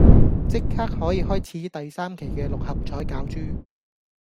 即刻可以開始第三期嘅六合彩攪珠